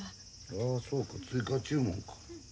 ああそうか追加注文か。